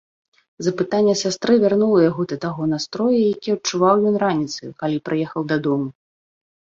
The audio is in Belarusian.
Запытанне сястры вярнула яго да таго настрою, які адчуваў ён раніцою, калі прыехаў дадому.